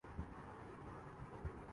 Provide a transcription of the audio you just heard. مطلع جزوی طور پر ابر آلود رہے گا